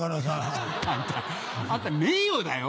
ちょっとあんたあんた名誉だよ。